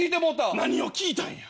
何を聞いたんや？